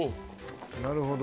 なるほど。